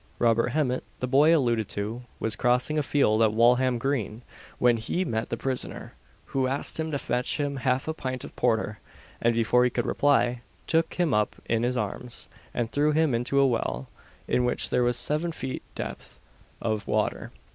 Robert Hemmet, the boy alluded to, was crossing a field at Walham green, when he met the prisoner, who asked him to fetch him half a pint of porter, and, before he could reply, took him up in his arms, and threw him into a well, in which there was seven feet depth of water.